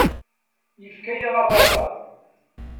Yefka-yaɣ abadaṛ.